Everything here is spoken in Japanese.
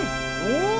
お！